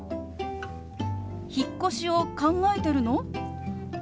「引っ越しを考えてるの？」。